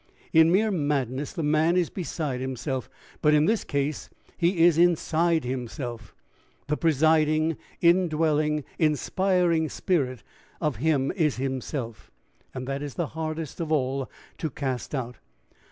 In mere madness, the man is beside himself; but in this case he is inside himself; the presiding, indwelling, inspiring sprit of him is himself, and that is the hardest of all to cast out.